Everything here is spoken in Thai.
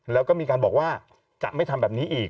แล้วก็มีการบอกว่าจะไม่ทำแบบนี้อีก